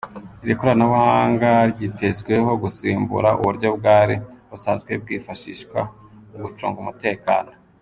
Iri koranabuhanga ryitezweho gusimbura uburyo bwari busanzwe bwifashishwa mu gucunga umutekano.